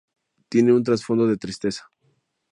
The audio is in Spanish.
Tienen un trasfondo de tristeza.